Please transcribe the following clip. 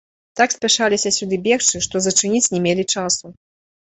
Так спяшаліся сюды бегчы, што зачыніць не мелі часу.